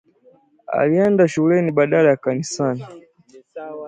Alienda shuleni badala ya kanisani